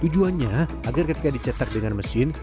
tujuannya agar ketika dicetak dengan mesin